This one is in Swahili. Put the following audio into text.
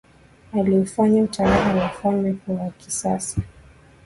aliufanya utawala wa ufalme kuwa wa kisasa